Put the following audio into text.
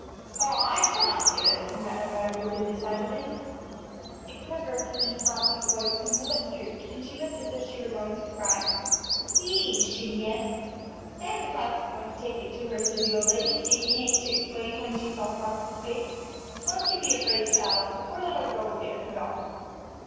"Oh, I shall not give it," said Madam Van Ruypen, decidedly. A quiver came into Phronsie's voice and her lip drooped, and she looked as if she were going to cry. "Please," she began. "Santa Claus is going to take it to her," said the old lady, making haste to explain when she saw Phronsie's face. "Don't you be afraid, child; the poor little girl will get her doll."